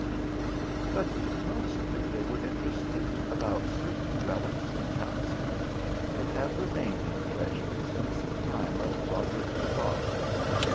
^e : but mostly they were in terested about certain reliques and talismans, that have remained in the treasury since the time of Roderick the Goth.